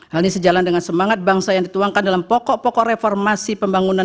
hal ini sejalan dengan semangat bangsa yang dituangkan dalam pokok pokok reformasi pembangunan